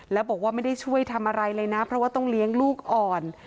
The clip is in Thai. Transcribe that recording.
แล้วบอกว่าไม่ได้ช่วยทำอะไรเลยนะเพราะว่าต้องเลี้ยงลูกอ่อน